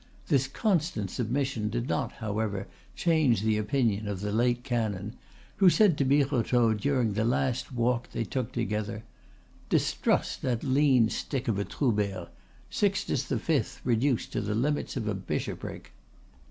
This constant submission did not, however, change the opinion of the late canon, who said to Birotteau during the last walk they took together: "Distrust that lean stick of a Troubert, Sixtus the Fifth reduced to the limits of a bishopric!"